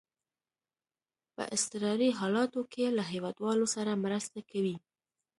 په اضطراري حالاتو کې له هیوادوالو سره مرسته کوي.